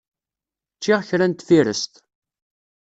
Ččiɣ kra n tfirest.